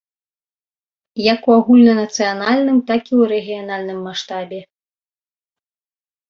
Як у агульнанацыянальным, так і ў рэгіянальным маштабе.